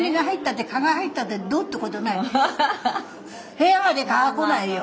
部屋まで蚊は来ないよ。